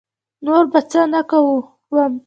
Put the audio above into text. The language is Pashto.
نور به څه نه کووم.